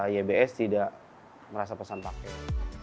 ybs tidak merasa pesan paket